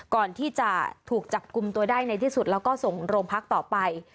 ก่อนที่จะถูกจับกลุ่มตัวได้ในที่สุดแล้วก็ส่งโรงพักต่อไป